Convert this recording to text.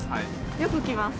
よく来ます。